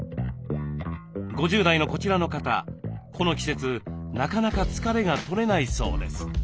５０代のこちらの方この季節なかなか疲れが取れないそうです。